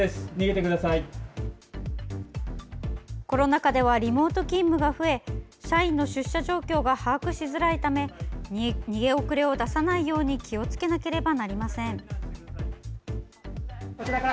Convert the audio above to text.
コロナ禍ではリモート勤務が増え社員の出社状況が把握しづらいため逃げ遅れを出さないように気をつけなければなりません。